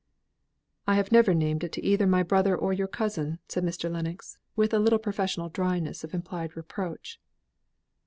"I have never named it to either my brother or your cousin," said Mr. Lennox, with a little professional dryness of implied reproach.